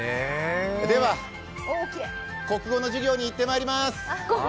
では、国語の授業に行ってまいりまーす。